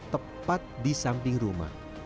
tepat di samping rumah